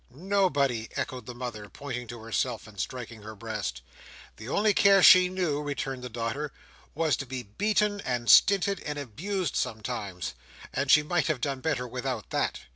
"Nobody!" echoed the mother, pointing to herself, and striking her breast. "The only care she knew," returned the daughter, "was to be beaten, and stinted, and abused sometimes; and she might have done better without that.